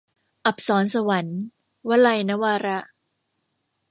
อัปสรสวรรค์ - วลัย นวาระ